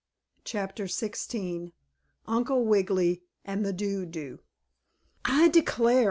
CHAPTER XVI UNCLE WIGGILY AND THE DO DO "I declare!"